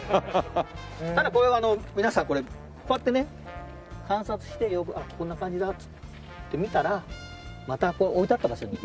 ただこれはあの皆さんこうやってね観察してこんな感じだって見たらまた置いてあった場所に。